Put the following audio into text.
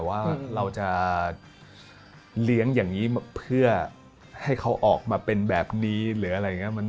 ว่าเราจะเลี้ยงอย่างนี้เพื่อให้เขาออกมาเป็นแบบนี้หรืออะไรอย่างนี้